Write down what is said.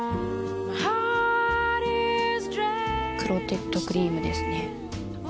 クロテッドクリームですね。